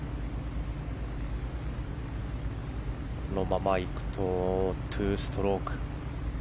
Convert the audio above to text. このままいくと２ストローク。